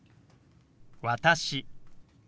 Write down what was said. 「私」。